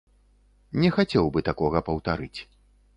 Не хацеў бы такога паўтарыць.